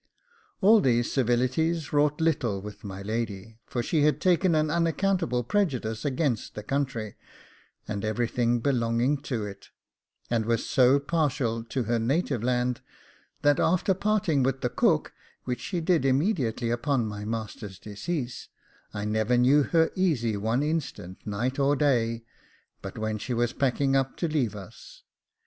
All these civilities wrought little with my lady, for she had taken an unaccountable prejudice against the country, and everything belonging to it, and was so partial to her native land, that after parting with the cook, which she did immediately upon my master's decease, I never knew her easy one instant, night or day, but when she was packing up to leave us.